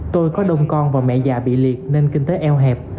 tôi có đông con và mẹ già bị liệt nên kinh tế eo hẹp